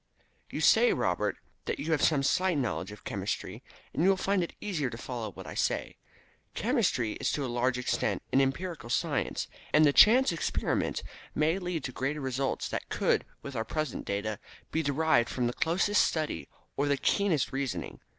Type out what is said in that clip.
"You say, Robert, that you have some slight knowledge of chemistry, and you will find it easier to follow what I say. Chemistry is to a large extent an empirical science, and the chance experiment may lead to greater results than could, with our present data, be derived from the closest study or the keenest reasoning.